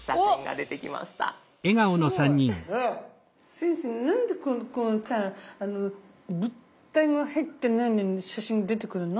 先生なんでこのさ物体も入ってないのに写真が出てくるの？